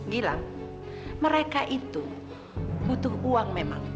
gilang mereka itu butuh uang memang